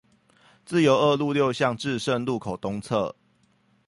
自由二路六巷至聖路口東側